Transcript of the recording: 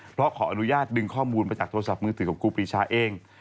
เพราะขออนุญาตดึงข้อมูลมาจากโทรศัพท์มือถือของครูปีชาเอง